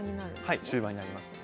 はい終盤になりますね。